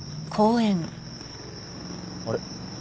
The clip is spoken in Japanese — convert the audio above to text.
あれ？